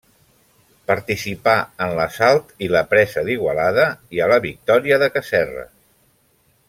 Participà en l'assalt i la presa d'Igualada i a la victòria de Casserres.